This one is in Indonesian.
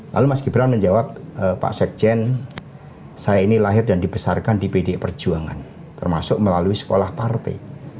lalu mas gibran menjawab pak sekjen saya ini lahir dan dibesarkan di pdi perjuangan termasuk melalui sekolah partai